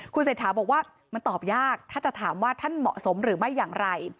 เศรษฐาบอกว่ามันตอบยากถ้าจะถามว่าท่านเหมาะสมหรือไม่อย่างไร